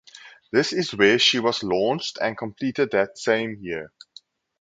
This is where she was launched and completed that same year.